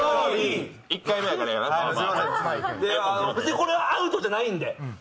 これはアウトじゃないんで。